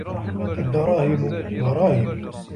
الدراهم مراهم